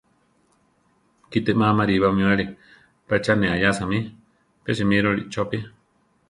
Kite má marí bamíbali pe cha ne aʼyása mí; pe simíroli chopí.